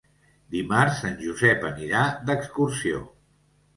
Dimarts en Josep anirà d'excursió.